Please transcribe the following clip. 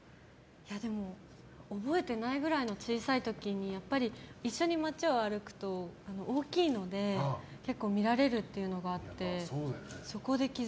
覚えていないぐらいの小さい時に一緒に街を歩くと、大きいので結構見られるっていうのがあって。